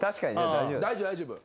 大丈夫大丈夫。